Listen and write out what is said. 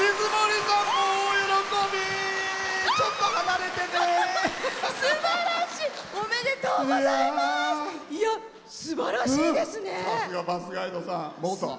さすが元バスガイドさん。